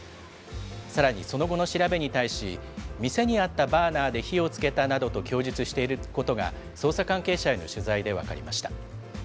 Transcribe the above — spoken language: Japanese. さらに、その後の調べに対し、店にあったバーナーで火をつけたなどと供述していることが、捜査関係者への取材で分かりました。